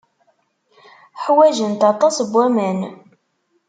Ḥwajent aṭas n waman.